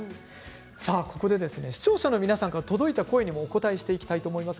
ここで視聴者の皆さんから届いた声にもお答えしていきたいと思います。